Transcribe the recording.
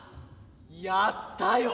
やったよ！